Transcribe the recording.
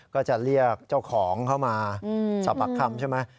ก็จะเรียกเจ้าของเข้ามาสอบปากคำใช่ไหม